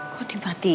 kok dimatiin sih